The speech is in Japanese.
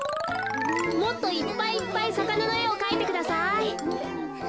もっといっぱいいっぱいさかなのえをかいてください。